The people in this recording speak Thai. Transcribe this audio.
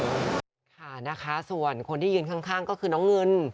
ค่ะนะคะส่วนคนที่ยืนข้างก็คือน้องเงิน